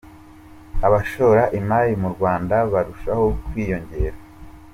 Abashora imari mu Rwanda barushaho kwiyongera